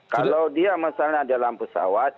kalau dia misalnya dalam pesawat